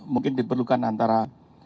mungkin diperlukan antara